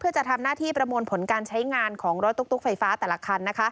เพื่อจะทำหน้าที่ประมวลผลการใช้งานของรถตุ๊กไฟฟ้าแต่ละคัน